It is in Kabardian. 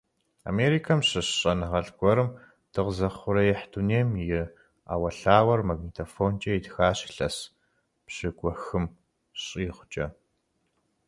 Америкэм щыщ щӀэныгъэлӀ гуэрым дыкъэзыухъуреихь дунейм и Ӏэуэлъауэр магнитофонкӀэ итхащ илъэс пщыкӀухым щӀигъукӀэ.